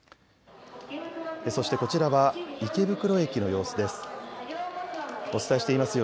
そしてこちらは池袋駅の様子です。